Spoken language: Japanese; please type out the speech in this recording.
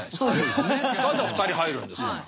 また２人入るんですから。